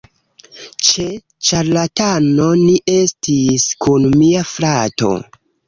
Ĉe ĉarlatano ni estis kun mia frato